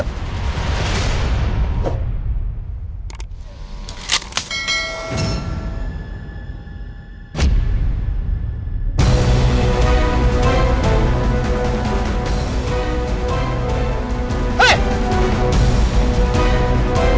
kau mau ngapain ini lu